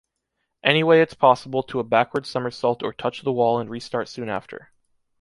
Anyway it’s possible to a backward somersault or touch the wall and restart soon after.